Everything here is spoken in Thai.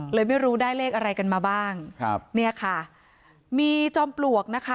ไม่รู้ได้เลขอะไรกันมาบ้างครับเนี่ยค่ะมีจอมปลวกนะคะ